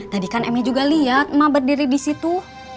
tadi kan emi juga liat mak berdiri disitu